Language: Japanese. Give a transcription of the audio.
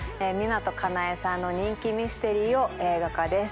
湊かなえさんの人気ミステリーを映画化です。